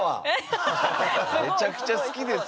めちゃくちゃ好きです。